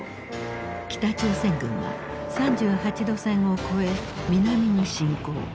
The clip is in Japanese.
北朝鮮軍は３８度線を越え南に侵攻。